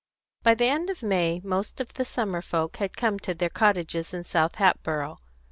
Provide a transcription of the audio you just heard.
X. By the end of May most of the summer folk had come to their cottages in South Hatboro'.